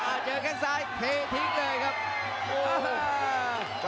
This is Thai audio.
เจอแค่งซ้ายเททิ้งเลยครับโอ้โห